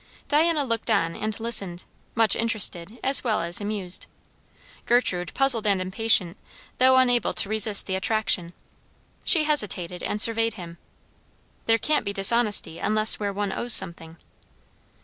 Diana looked on and listened, much interested, as well as amused; Gertrude puzzled and impatient, though unable to resist the attraction. She hesitated, and surveyed him. "There can't be dishonesty unless where one owes something."